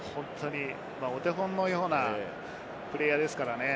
お手本のようなプレーヤーですからね。